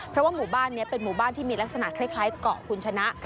เพราะว่าหมู่บ้านนี้เป็นหมู่บ้านที่มีลักษณะคล้ายเกาะคุณชนะ